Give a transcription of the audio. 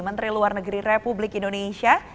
menteri luar negeri republik indonesia